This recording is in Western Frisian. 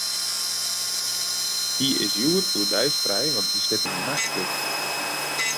Hy is hjoed oerdeis frij, want hy sit yn 'e nachtploech.